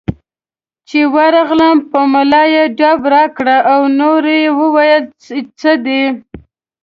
چې ورغلم په ملا یې ډب راکړ او نور یې وویل چې ځه.